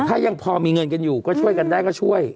ถ้ายังพอมีเงินกันอยู่ก็ช่วยกันได้ก็ช่วย